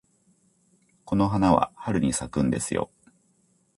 この花は春に咲くんですよ。